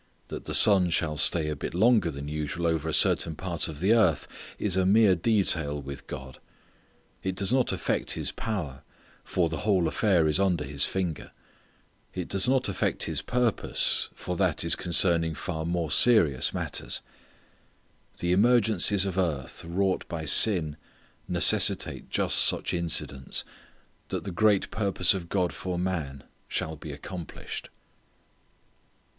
That the sun shall stay a bit longer than usual over a certain part of the earth is a mere detail with God. It does not affect His power for the whole affair is under His finger. It does not affect His purpose for that as concerning far more serious matters. The emergencies of earth wrought by sin necessitate just such incidents, that the great purpose of God for man shall be accomplished.